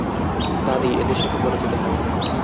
দাদি, এদের সাথে পরিচিত হও।